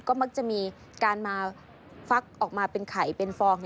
ก็มักจะมีการมาฟักออกมาเป็นไข่เป็นฟอง